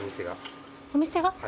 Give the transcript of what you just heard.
お店が。